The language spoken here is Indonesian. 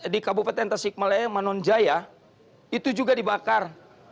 di kabupaten tasikmalaya manonjaya itu juga dibakar